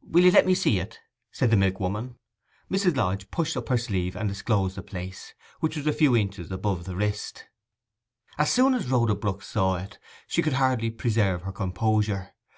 'Will you let me see it?' said the milkwoman. Mrs. Lodge pushed up her sleeve and disclosed the place, which was a few inches above the wrist. As soon as Rhoda Brook saw it, she could hardly preserve her composure.